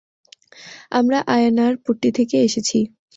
আমরা আয়ানারপট্টি থেকে এসেছি।